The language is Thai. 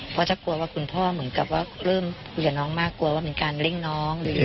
เพราะถ้ากลัวว่าคุณพ่อเหมือนกับว่าเริ่มคุยกับน้องมากกลัวว่ามีการเร่งน้อง